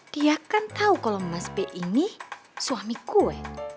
dia kan tahu kalau mas be ini suamiku weh